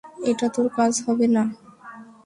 এটা তোর কাজ হবে না?